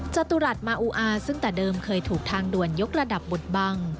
จตุรัสมาอูอาซึ่งแต่เดิมเคยถูกทางด่วนยกระดับบทบัง